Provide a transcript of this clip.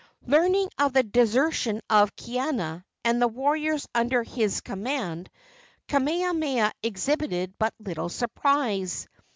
Learning of the desertion of Kaiana and the warriors under his command, Kamehameha exhibited but little surprise.